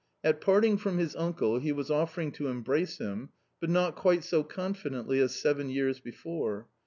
At parting from his uncle he was offering to embrace him, but not quite so confidently as seven years before.